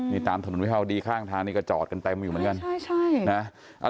นี่ตามถนนวิภาวดีข้างทางนี่ก็จอดกันเต็มอยู่เหมือนกันใช่ใช่นะ